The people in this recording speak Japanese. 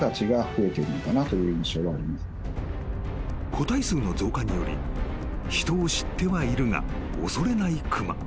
［個体数の増加により人を知ってはいるが恐れない熊］